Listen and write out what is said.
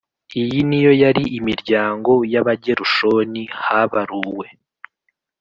Iyo ni yo yari imiryango y Abagerushoni Habaruwe